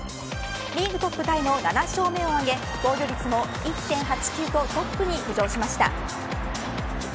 リーグトップタイの７勝目を挙げ防御率も１．８９とトップに浮上しました。